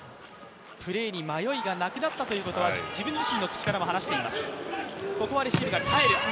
プレーに迷いがなくなったということは自分自身の口からも話しています。